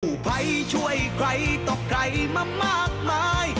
ผู้ภัยช่วยใครต่อใครมามากมาย